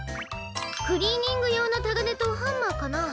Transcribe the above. クリーニングようのたがねとハンマーかな。